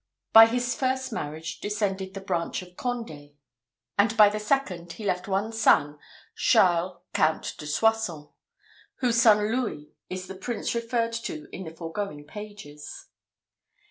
By his first marriage descended the branch of Condé, and by the second, he left one son, Charles Count de Soissons, whose son Louis is the Prince referred to in the foregoing pages.